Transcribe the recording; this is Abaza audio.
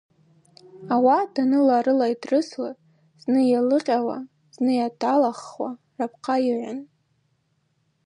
Ауат аныла-арыла йтрысуа, зны йалыкъьауа, зны йаталаххуа рапхъала йыгӏвуан.